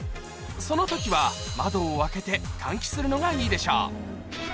その時は窓を開けて換気するのがいいでしょう